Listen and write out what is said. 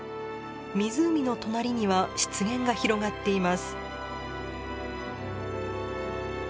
湖の隣には湿原が広がっています。